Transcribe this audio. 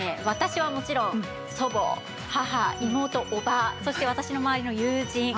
私はもちろん祖母母妹叔母そして私の周りの友人。